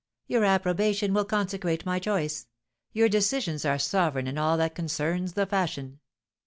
Your approbation will consecrate my choice; your decisions are sovereign in all that concerns the fashion."